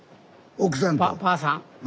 奥さんと。